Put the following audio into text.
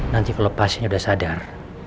nanti kalau pasiennya sudah sadar